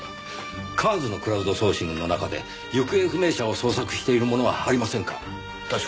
ＣＡＲＳのクラウドソーシングの中で行方不明者を捜索しているものはありませんか？